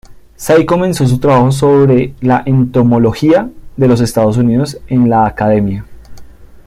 Say comenzó su trabajo sobre la entomología de los Estados Unidos en la Academia.